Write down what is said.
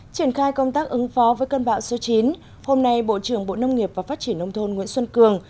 triển khai công tác ứng phó với cơn bão số chín hôm nay bộ trưởng bộ nông nghiệp và phát triển nông thôn nguyễn xuân cường